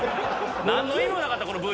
何の意味もなかったこのＶ。